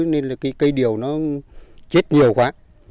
nên là cái cây điều nó chết nhiều quá